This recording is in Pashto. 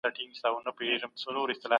حقوقپوهان به د بیان ازادي ساتي.